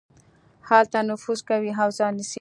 هلته نفوذ کوي او ځای نيسي.